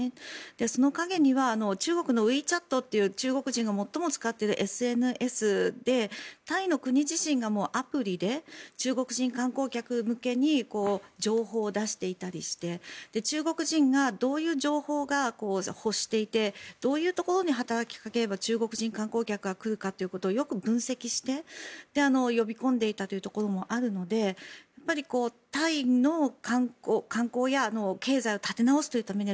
その陰には中国のＷｅＣｈａｔという中国人が最も使っているＳＮＳでタイの国自身がアプリで中国人観光客向けに情報を出していたりして中国人がどういう情報を欲していてどういうところに働きかければ中国人観光客が来るかっていうことをよく分析して呼び込んでいたというところもあるのでタイの観光や経済を立て直すというためには